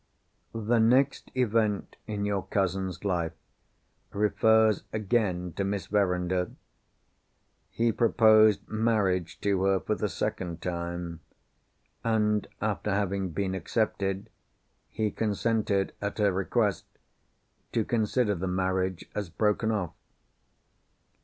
The next event in your cousin's life refers again to Miss Verinder. He proposed marriage to her for the second time—and (after having being accepted) he consented, at her request, to consider the marriage as broken off.